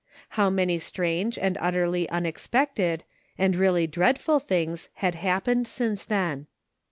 How many strange and utterly unexpected, and really dreadful things had hap pened since then!